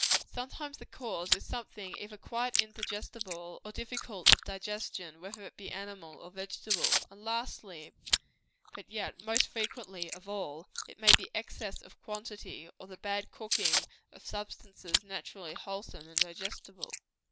Sometimes the cause is something either quite indigestible, or difficult of digestion, whether it be animal or vegetable. And, lastly, but yet most frequently of all, it may be excess of quantity, or the bad cooking of substances naturally wholesome and digestible.